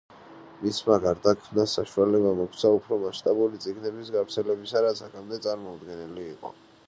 მისმა გარდაქმნა საშუალება მოგვცა უფრო მასშტაბური წიგნების გავრცელებისა, რაც აქამდე წარმოუდგენელი იყო.